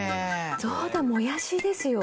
そうだもやしですよ。